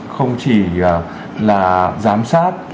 không chỉ là giám sát